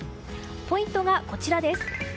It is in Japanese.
ポイントがこちらです。